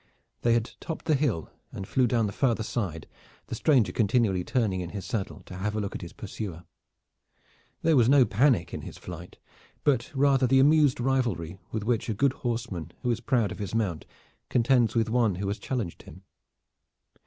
They had topped the hill and flew down the farther side, the stranger continually turning in his saddle to have a look at his pursuer. There was no panic in his flight, but rather the amused rivalry with which a good horseman who is proud of his mount contends with one who has challenged him.